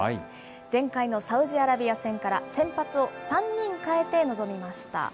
前回のサウジアラビア戦から、先発を３人代えて臨みました。